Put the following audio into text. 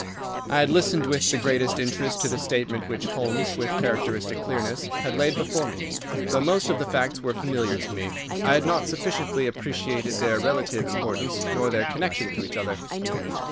I had listened with the greatest interest to the statement which Holmes, with characteristic clearness, had laid before me. Though most of the facts were familiar to me, I had not sufficiently appreciated their relative importance, nor their connection to each other.